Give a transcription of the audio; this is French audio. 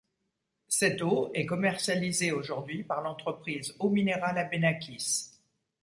Cette eau est commercialisée aujourd'hui par l'entreprise Eau Minérale Abenakis.